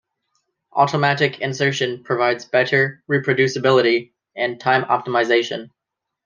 Automatic insertion provides better reproducibility and time-optimization.